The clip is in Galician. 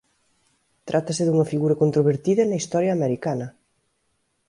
Trátase dunha figura controvertida na historia americana.